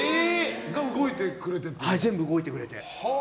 全部動いてくれて。